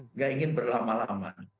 nggak ingin berlama lama